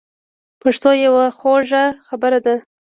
پښتو یوه خوږه ژبه ده.